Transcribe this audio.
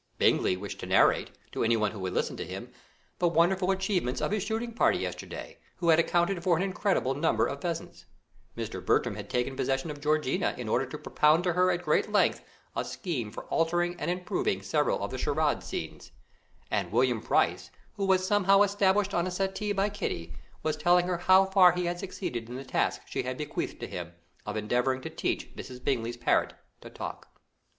Bingley wished to narrate, to anyone who would listen to him, the wonderful achievements of his shooting party yesterday, who had accounted for an incredible number of pheasants; Mr. Bertram had taken possession of Georgiana, in order to propound to her at great length a scheme for altering and improving several of the charade scenes; and William Price, who was somehow established on a settee by Kitty, was telling her how far he had succeeded in the task she had bequeathed to him, of endeavouring to teach Mrs. Bingley's parrot to talk.